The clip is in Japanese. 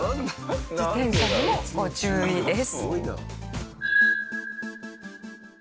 自転車にもご注意です。